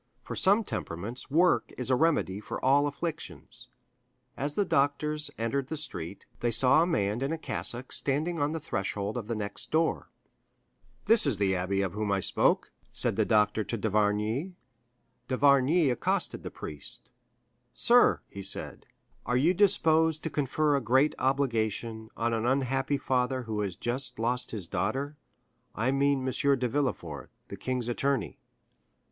For some temperaments work is a remedy for all afflictions. As the doctors entered the street, they saw a man in a cassock standing on the threshold of the next door. "This is the abbé of whom I spoke," said the doctor to d'Avrigny. D'Avrigny accosted the priest. "Sir," he said, "are you disposed to confer a great obligation on an unhappy father who has just lost his daughter? I mean M. de Villefort, the king's attorney."